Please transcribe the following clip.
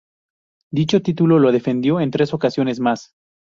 Dicho título lo defendió en tres ocasiones más.